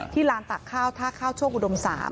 ที่ร้านตักข้าวท่าข้าวช่วงอุดม๓